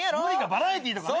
バラエティーとかね。